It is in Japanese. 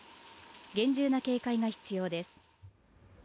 厳重な警戒が必要です。